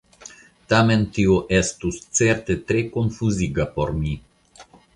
Tamen tio estus certe tre konfuziga por mi!